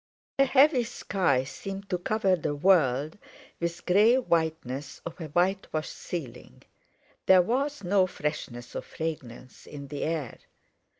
A heavy sky seemed to cover the world with the grey whiteness of a whitewashed ceiling. There was no freshness or fragrance in the air.